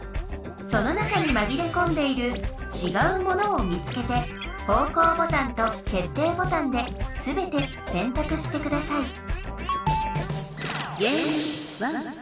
その中にまぎれこんでいるちがうものを見つけて方向ボタンと決定ボタンですべて選択してください